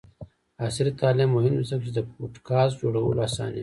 عصري تعلیم مهم دی ځکه چې د پوډکاسټ جوړولو اسانوي.